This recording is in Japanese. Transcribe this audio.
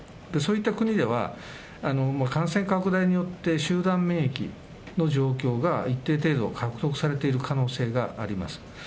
そういった国では、感染拡大によって、集団免疫の状況が一定程度、獲得されている可能性があります。